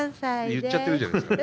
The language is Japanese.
言っちゃってるじゃないですか。